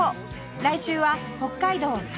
来週は北海道札幌